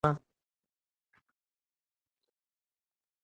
taifa au ardhi? Mfanano huo umempunguzia mwanamke hadhi yake kama